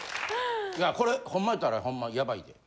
いやこれホンマやったらホンマヤバいで！